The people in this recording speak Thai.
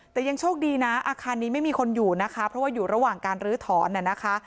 แต่ยังโชคดีนะอาคารนี้ไม่มีคนอยู่นะคะเพราะว่าอยู่ระหว่างการลื้อถอนน่ะนะคะ